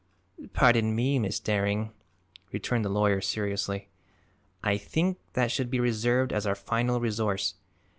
"Pardon me, Miss Daring," returned the lawyer seriously, "I think that should be reserved as our final resource.